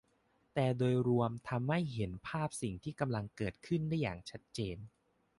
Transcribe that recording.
แต่โดยรวมทำให้เห็นภาพสิ่งที่กำลังเกิดขึ้นได้อย่างชัดเจน